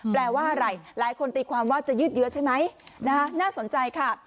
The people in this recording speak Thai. แปลว่าอะไรหลายคนตีความว่าจะยืดเยอะใช่ไหมน่าสนใจค่ะ